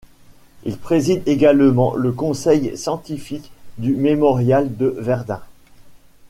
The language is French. Il préside également le Conseil scientifique du Mémorial de Verdun.